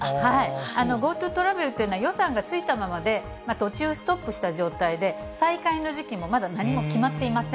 ＧｏＴｏトラベルというのは予算がついたままで、途中ストップした状態で、再開の時期もまだ何も決まっていません。